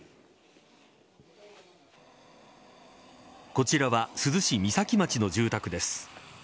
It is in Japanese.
こちらは珠洲市三崎町の住宅です。